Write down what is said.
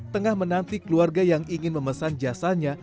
tengah menanti keluarga yang ingin memesan jasanya